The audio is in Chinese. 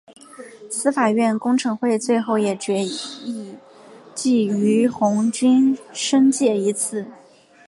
司法院公惩会最后也议决记俞鸿钧申诫一次。